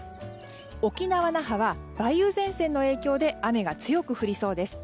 沖縄・那覇は、梅雨前線の影響で雨が強く降りそうです。